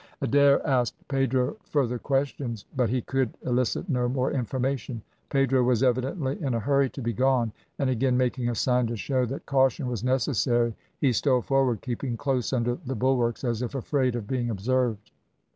Adair asked Pedro further questions, but he could elicit no more information. Pedro was evidently in a hurry to be gone, and again making a sign to show that caution was necessary he stole forward, keeping close under the bulwarks, as if afraid of being observed.